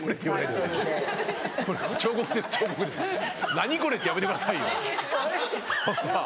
「何これ」ってやめてくださいよさんまさん。